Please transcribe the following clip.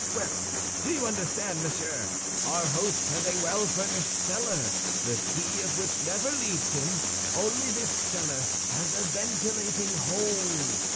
Well, do you understand, monsieur? Our host has a well furnished cellar the key of which never leaves him; only this cellar has a ventilating hole.